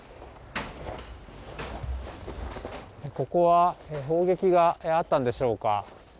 ここは砲撃があったんでしょうか。